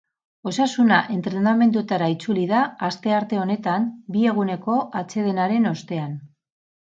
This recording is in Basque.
Osasuna entrenamenduetara itzuli da astearte honetan, bi eguneko atsedenaren ostean.